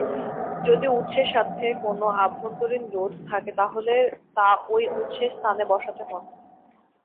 যদি উৎসের সাথে কোন আভ্যন্তরীণ রোধ থাকে তাহলে তা ঐ উৎসের স্থানে বসাতে হবে।